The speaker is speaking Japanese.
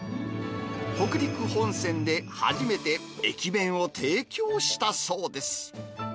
北陸本線で初めて駅弁を提供したそうです。